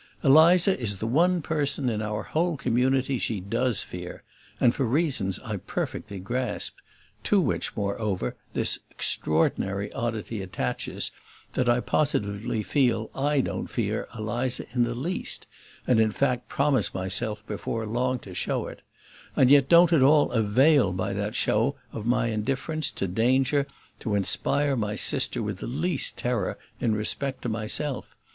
Eliza is the one person in our whole community she does fear and for reasons I perfectly grasp; to which moreover, this extraordinary oddity attaches, that I positively feel I don't fear Eliza in the least (and in fact promise myself before long to show it) and yet don't at all avail by that show of my indifference to danger to inspire my sister with the least terror in respect to myself.